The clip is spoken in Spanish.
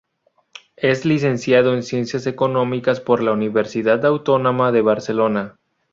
Es licenciado en Ciencias Económicas por la Universidad Autónoma de Barcelona.